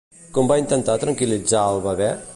Com va intentar tranquil·litzar el bebè?